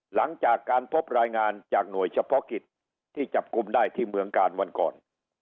หลังจากการพบรายงานจากหน่วยเฉพาะกิจที่จับกลุ่มได้ที่เมืองกาลวันก่อน